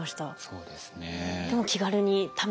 そうですね。